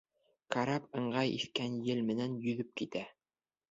Карап ыңғай иҫкән ел менән йөҙөп китә.